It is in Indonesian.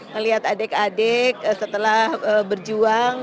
melihat adik adik setelah berjuang